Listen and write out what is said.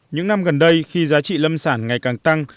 những năm gần đây khi giá trị lâm sản ngày càng tăng